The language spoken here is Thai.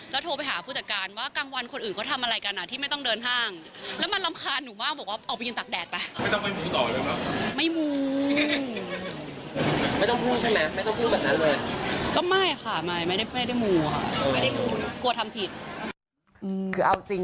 แล้วโทรไปหาผู้จัดการว่ากลางวันคนอื่นเขาทำอะไรกันอ่ะที่ไม่ต้องเดินห้าง